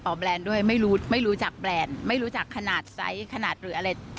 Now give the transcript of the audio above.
ผู้ต้องหาอีกคนนึง